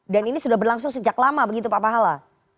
dan ini sudah berlangsung sejak lama begitu pak pahala